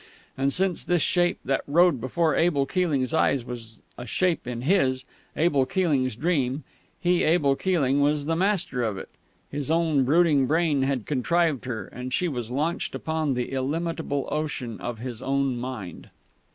And since this shape that rode before Abel Keeling's eyes was a shape in his, Abel Keeling's dream, he, Abel Keeling, was the master of it. His own brooding brain had contrived her, and she was launched upon the illimitable ocean of his own mind....